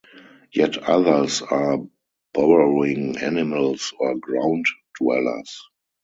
Yet others are burrowing animals, or ground-dwellers.